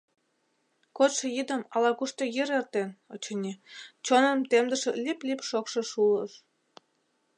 Кодшо йӱдым ала-кушто йӱр эртен, очыни, чоным темдыше лӱп-лӱп шокшо шулыш.